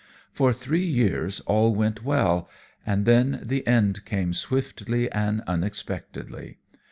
For three years all went well, and then the end came swiftly and unexpectedly.